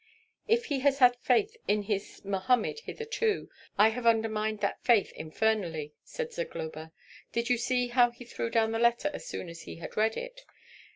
"If he has had faith in his Mohammed hitherto, I have undermined that faith infernally," said Zagloba. "Did you see how he threw down the letter as soon as he had read it?